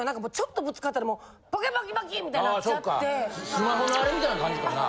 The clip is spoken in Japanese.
スマホのあれみたいな感じかな？